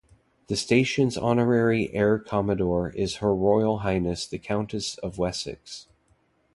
The station's honorary air commodore is Her Royal Highness the Countess of Wessex.